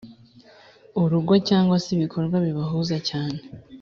urugo cyangwa se ibikorwa bibahuza cyane.